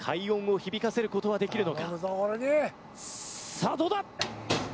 さあどうだ？